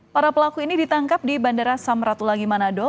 para pelaku ini ditangkap di bandara samratulangi manado